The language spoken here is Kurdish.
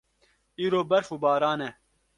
Îro berf û baran e.